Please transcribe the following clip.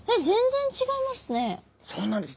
そうなんです。